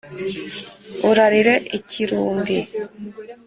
Urarire ikirumbi,